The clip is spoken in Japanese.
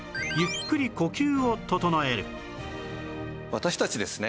私たちですね